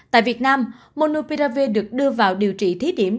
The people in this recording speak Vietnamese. tại việt nam monopiravel được đưa vào điều trị thí điểm